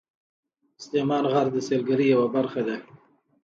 سلیمان غر د سیلګرۍ یوه برخه ده.